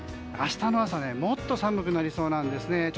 明日の朝もっと寒くなりそうなんですね。